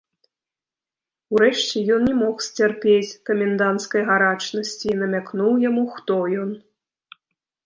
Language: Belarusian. Урэшце, ён не мог сцярпець каменданцкай гарачнасці і намякнуў яму, хто ён.